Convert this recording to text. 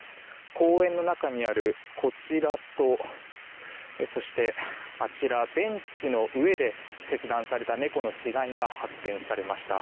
公園の中にあるこちらとあちらベンチの上で切断された猫の死骸が発見されました。